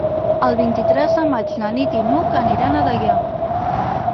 El vint-i-tres de maig na Nit i n'Hug aniran a Deià.